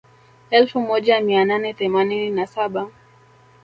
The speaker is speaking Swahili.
Elfu moja mia nane themanini na saba